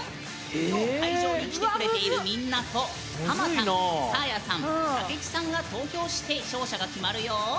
今日、会場に来てくれているみんなと、ハマさん、サーヤさん武知さんが投票して勝者が決まるよ。